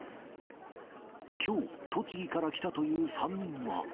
きょう、栃木から来たという３人は。